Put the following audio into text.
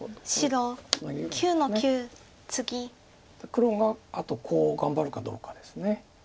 黒があとコウを頑張るかどうかです。